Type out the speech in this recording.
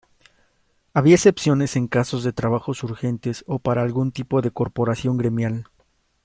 Había excepciones en casos de trabajos urgentes o para algún tipo de corporación gremial.